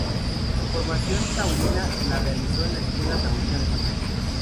Su formación taurina la realizó en la Escuela Taurina de Madrid.